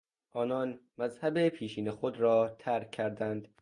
آنان مذهب پیشین خود را ترک کردند.